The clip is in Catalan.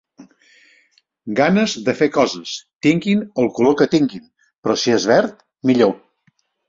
Ganes de fer coses, tinguin el color que tinguin, però si és verd millor.